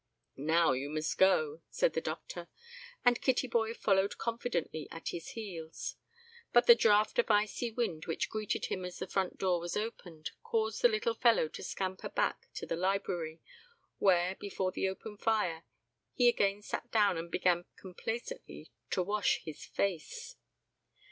"Now you must go," said the doctor; and Kittyboy followed confidently at his heels. But the draught of icy wind which greeted him as the front door was opened, caused the little fellow to scamper back to the library, where, before the open fire, he again sat down and began complacently to wash his face.